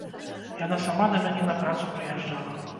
Яна сама да мяне на працу прыязджала.